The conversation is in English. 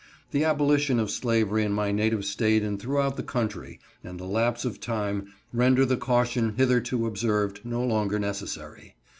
The abolition of slavery in my native State and throughout the country, and the lapse of time, render the caution hitherto observed no longer necessary.